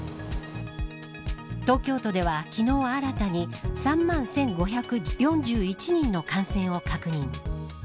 東京都では昨日、新たに３万１５４１人の感染を確認。